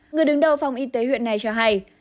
người đứng đầu phòng y tế huyện này cho hay